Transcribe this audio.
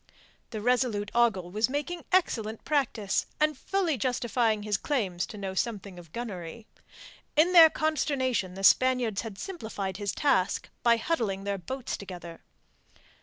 The resolute Ogle was making excellent practice, and fully justifying his claims to know something of gunnery. In their consternation the Spaniards had simplified his task by huddling their boats together.